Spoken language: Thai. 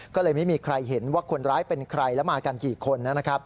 ก็เลยไม่มีใครเห็นว่าคนร้ายเป็นใครแล้วมากันกี่คนนะครับ